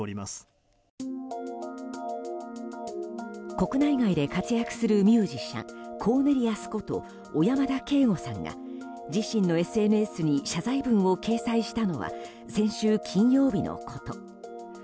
国内外で活躍するミュージシャンコーネリアスこと小山田圭吾さんが自身のＳＮＳに謝罪文を掲載したのは先週金曜日のこと。